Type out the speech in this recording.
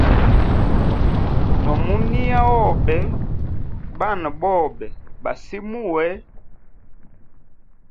No muniya wobe bana bobe ba simuwe.